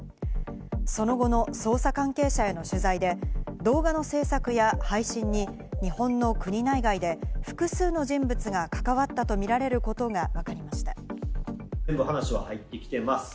その後の捜査関係者への取材で、動画の制作や配信に日本の国内外で複数の人物が関わったとみられることがわかりました。